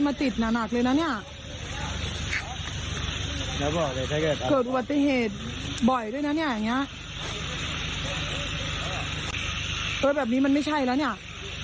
ไม่ใช่ละเนี่ย